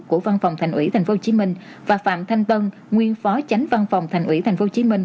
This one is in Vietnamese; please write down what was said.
của văn phòng thành ủy tp hcm và phạm thanh tân nguyên phó tránh văn phòng thành ủy tp hcm